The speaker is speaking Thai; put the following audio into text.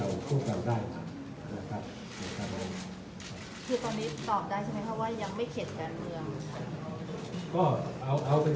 มาทำงานในบ้านเมือง